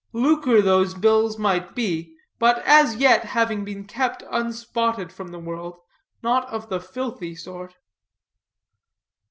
Lucre those bills might be, but as yet having been kept unspotted from the world, not of the filthy sort.